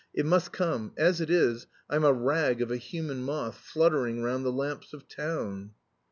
It must come. As it is, I'm a rag of a human moth fluttering round the lamps of town."